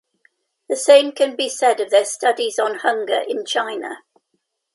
The same can be said of their studies on "hunger in China".